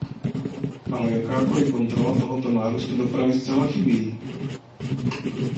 Ale jakákoli kontrola tohoto nárůstu dopravy zcela chybí!